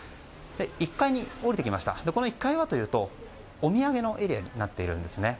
１階に下りてきましたがこの１階はというとお土産のエリアになっているんです。